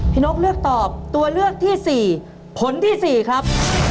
นกเลือกตอบตัวเลือกที่๔ผลที่๔ครับ